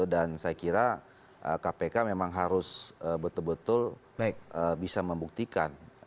dan saya kira kpk memang harus betul betul bisa membuktikan